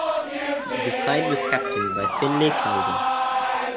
The side was captained by Finlay Calder.